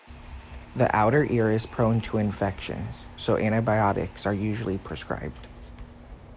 The outer ear is prone to infections, so antibiotics are usually prescribed.